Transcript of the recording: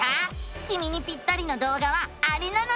きみにピッタリの動画はあれなのさ！